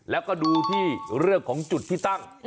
แล้วก็ดูที่เรื่องของจุดที่ตั้ง